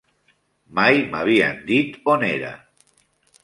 Mai m'havien dit on era.